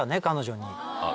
彼女に。